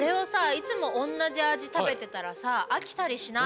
いつもおんなじあじたべてたらさあきたりしない？